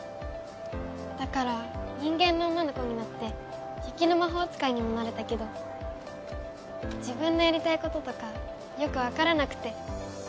だから人間の女の子になって雪の魔法使いにもなれたけど自分のやりたいこととかよくわからなくて。